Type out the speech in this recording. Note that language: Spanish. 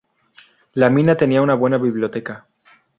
La mina tenía una buena biblioteca.